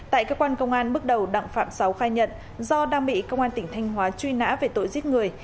tại cơ quan công an bước đầu đặng phạm sáu khai nhận do đang bị công an tỉnh thanh hóa truy nã về tội giết người